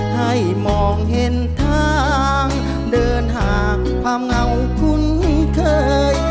ให้มองเห็นทางเดินหากความเงาคุ้นเคย